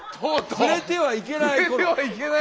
触れてはいけない！